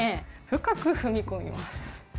深く踏み込みます。